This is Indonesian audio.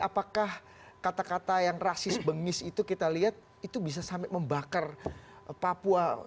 apakah kata kata yang rasis bengis itu kita lihat itu bisa sampai membakar papua